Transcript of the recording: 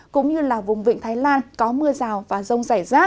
cũng như là vùng vịnh thái lan có mưa rào và rông rải rác